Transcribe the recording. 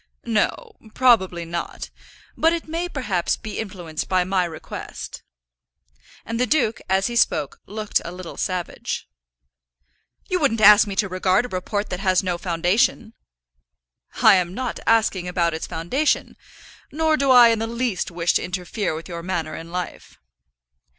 "No; probably not. But it may perhaps be influenced by my request." And the duke, as he spoke, looked a little savage. "You wouldn't ask me to regard a report that has no foundation." "I am not asking about its foundation. Nor do I in the least wish to interfere with your manner in life."